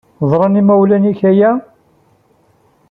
Ẓran yimawlan-nnek aya?